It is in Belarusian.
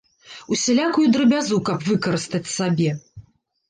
Усялякую драбязу каб выкарыстаць сабе.